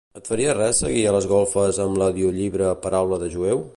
Et faria res seguir a les golfes amb l'audiollibre "Paraula de jueu"?